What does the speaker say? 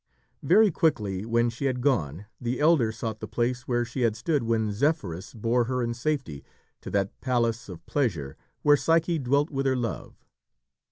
Very quickly, when she had gone, the elder sought the place where she had stood when Zephyrus bore her in safety to that palace of pleasure where Psyche dwelt with her Love.